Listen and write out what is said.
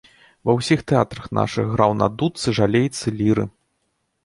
Ва ўсіх тэатрах нашых граў на дудцы, жалейцы, ліры.